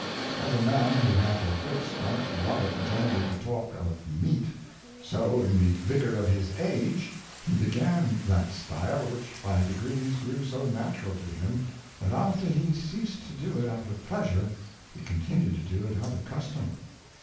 As a Man who hath a good Stomach loveth generally to talk of Meat, so in the vigour of his Age, he began that style, which by degrees grew so natural to him, that after he ceased to do it out of Pleasure, he continued to do it out of Custom.